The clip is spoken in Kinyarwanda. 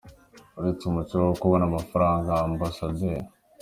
Uretse umuco wo kubona amafaranga, Amb.